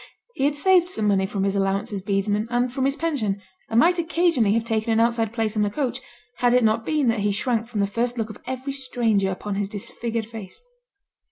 He had saved some money from his allowance as bedesman and from his pension, and might occasionally have taken an outside place on a coach, had it not been that he shrank from the first look of every stranger upon his disfigured face.